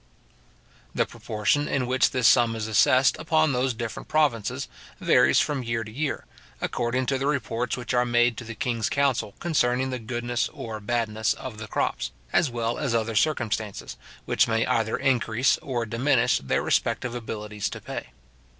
} the proportion in which this sum is assessed upon those different provinces, varies from year to year, according to the reports which are made to the king's council concerning the goodness or badness of the crops, as well as other circumstances, which may either increase or diminish their respective abilities to pay.